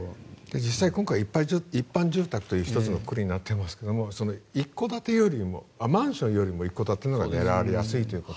実際今回、一般住宅という１つのくくりになっていますがマンションよりも一戸建てのほうが狙われやすいということ。